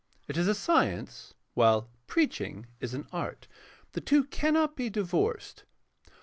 It is a science, while preaching is an art. The two cannot be divorced.